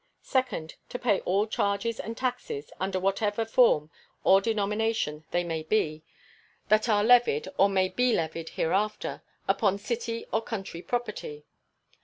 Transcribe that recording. Second. To pay all charges and taxes, under whatever form or denomination they may be, that are levied, or may be levied hereafter, upon city or country property.